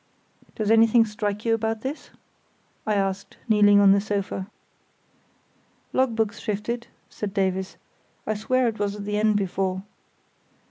"Does anything strike you about this?" I asked, kneeling on the sofa. "Logbook's shifted," said Davies. "I'll swear it was at the end before."